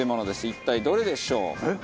一体どれでしょう？